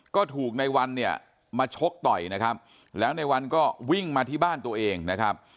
ก็ถูกในวันเนี่ยมาชกต่อยนะครับแล้วในวันก็วิ่งมาที่บ้านตัวเองนะครับ